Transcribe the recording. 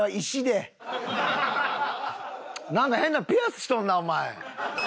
なんか変なピアスしとんなお前。